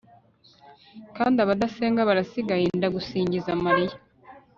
kandi abadasenga barasigaye, ndagusingiza mariya